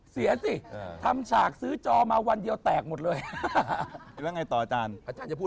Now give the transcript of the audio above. เสียสิถัดฉากซื้อจอมาวันเดียวแตกหมดเลย